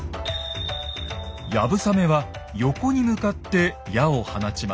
流鏑馬は横に向かって矢を放ちます。